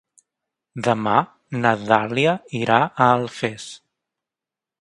Demà na Dàlia irà a Alfés.